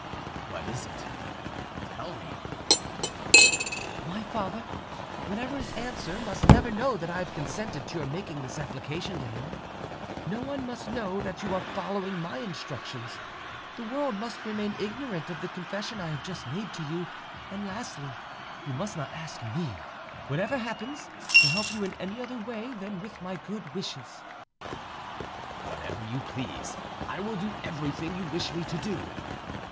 "What is it? Tell me." "My father, whatever his answer, must never know that I have consented to your making this application to him; no one must know that you are following my instructions; the world must remain ignorant of the confession I have just made to you; and, lastly, you must not ask me, whatever happens, to help you in any other way than with my good wishes." "Whatever you please. I will do everything you wish me to do.